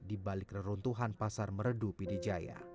di balik reruntuhan pasar meredupi di jaya